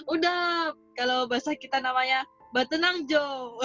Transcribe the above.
udah kalau bahasa kita namanya mba tenang jo